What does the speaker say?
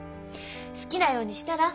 好きなようにしたら？